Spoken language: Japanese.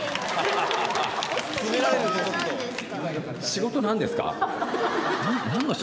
「仕事何ですか？」。